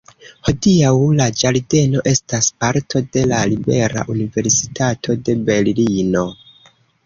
Hodiaŭ, la ĝardeno estas parto de la Libera Universitato de Berlino.